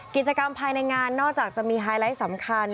กิจกรรมภายในงานนอกจากจะมีไฮไลท์สำคัญ